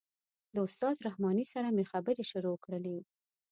د استاد رحماني سره مې خبرې شروع کړلې.